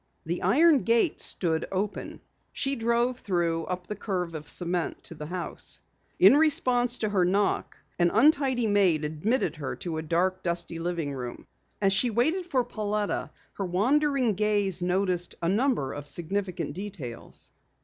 The iron gate stood open. She drove through, up the curve of cement to the house. In response to her knock, an untidy colored maid admitted her to a dark, dusty living room. As she awaited Pauletta, her wandering gaze noted a number of significant details.